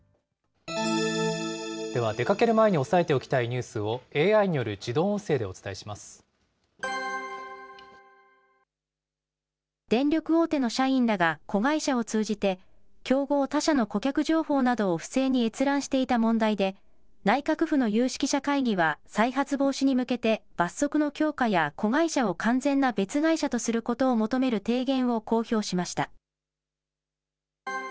では、出かける前に押さえておきたいニュースをＡＩによる自電力大手の社員らが子会社を通じて、競合他社の顧客情報などを不正に閲覧していた問題で、内閣府の有識者会議は再発防止に向けて罰則の強化や子会社を完全な別会社とすることを求める提言を公表しました。